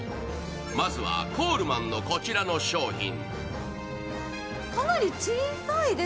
まずはコールマンのこちらの商品。